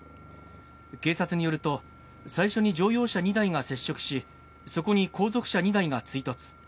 警察によると、最初に乗用車２台が接触し、そこに後続車２台が追突。